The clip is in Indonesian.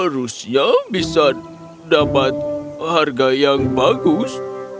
rusia bisa dapat harga yang bagus